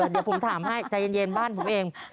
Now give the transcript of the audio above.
เดี๋ยวผมถามให้ใจเย็นบ้านผมเอง